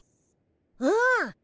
うん。